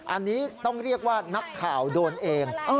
อันนี้ต้องเรียกว่านักข่าวโดนเอง